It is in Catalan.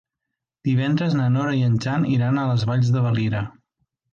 Divendres na Nora i en Jan iran a les Valls de Valira.